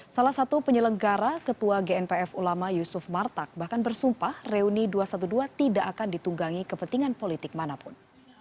salah satu penyelenggara ketua gnpf ulama yusuf martak bahkan bersumpah reuni dua ratus dua belas tidak akan ditunggangi kepentingan politik manapun